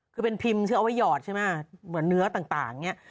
คือเป็นพิมพ์ซึ่งเอาไว้หยอดใช่ไหมเหมือนเนื้อต่างเนี่ย